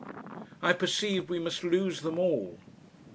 I perceived we must lose them all.